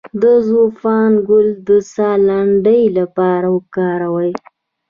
د زوفا ګل د ساه لنډۍ لپاره وکاروئ